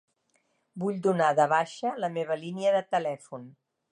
Vull donar de baixa la meva línia de telèfon.